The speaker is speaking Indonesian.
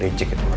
leceg itu emang